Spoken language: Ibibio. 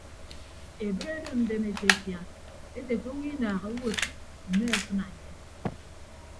Ebre odo ndem etefia ete ke owo inaaha owod mme afịna enye.